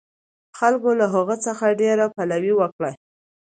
خلکو له هغه څخه ډېره پلوي وکړه.